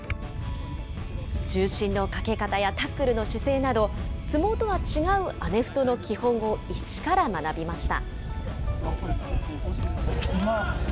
重心のかけ方やタックルの姿勢など、相撲とは違うアメフトの基本を一から学びました。